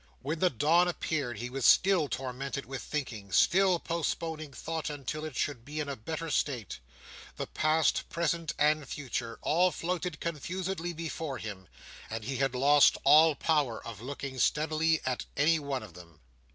When the dawn appeared, he was still tormented with thinking, still postponing thought until he should be in a better state; the past, present, and future all floated confusedly before him, and he had lost all power of looking steadily at any one of them.